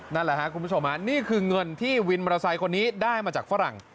นั่นแหละครับคุณผู้ชมนี่คือเงินที่วินมอเตอร์ไซค์คนนี้ได้มาจากฝรั่ง